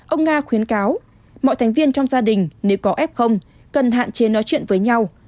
ông nga khuyến cáo mọi thành viên trong gia đình nếu có f cần hạn chế nói chuyện với nhau